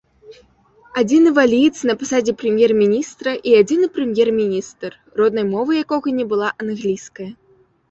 Адзіны валіец на пасадзе прэм'ер-міністра і адзіны прэм'ер-міністр, роднай мовай якога не была англійская.